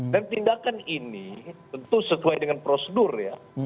dan tindakan ini tentu sesuai dengan prosedur ya